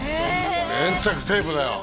粘着テープだよ！